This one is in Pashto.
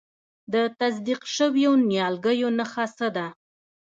د تصدیق شویو نیالګیو نښه څه ده؟